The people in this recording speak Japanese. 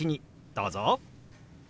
どうぞ。